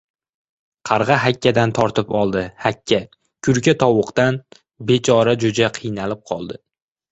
• Qarg‘a hakkadan tortib oldi, hakka — kurka tovuqdan, bechora jo‘ja qiynalib qoldi.